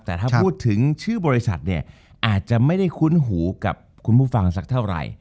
แต่ถ้าพูดถึงชื่อบริษัทเนี่ยอาจจะไม่ได้คุ้นหูกับคุณผู้ฟังสักเท่าไหร่